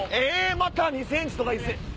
また２ｃｍとか１ｃｍ！